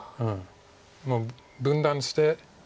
もう分断して。